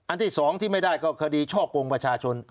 ที่๒ที่ไม่ได้ก็คดีช่อกงประชาชน